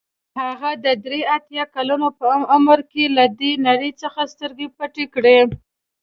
هغه د درې اتیا کلونو په عمر له دې نړۍ څخه سترګې پټې کړې.